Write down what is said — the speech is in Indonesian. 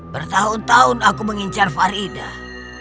bertahun tahun aku mengincar faridah